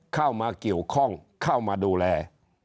เข้ามาเกี่ยวข้องเข้ามาดูแล